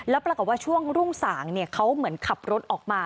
แล้วปรากฏว่าช่วงรุ่งสางเขาเหมือนขับรถออกมา